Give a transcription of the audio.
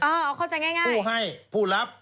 เออเข้าใจง่ายครับพูดให้ผู้รับ